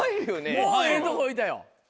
もうええとこ置いたよ。